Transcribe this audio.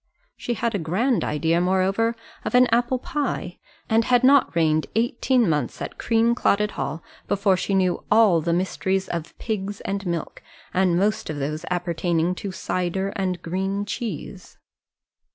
She had a grand idea, moreover, of an apple pie, and had not reigned eighteen months at Creamclotted Hall before she knew all the mysteries of pigs and milk, and most of those appertaining to cider and green geese.